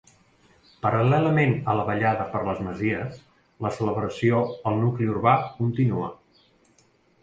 Paral·lelament a la ballada per les masies, la celebració al nucli urbà continua.